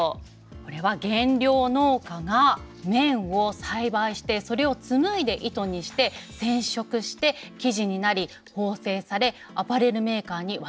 これは原料農家が綿を栽培してそれを紡いで糸にして染色して生地になり縫製されアパレルメーカーに渡る。